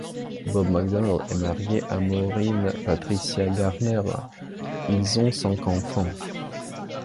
Bob McDonnell est marié à Maureen Patricia Gardner, Ils ont cinq enfants.